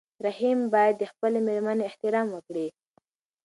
رحیم باید د خپلې مېرمنې احترام وکړي.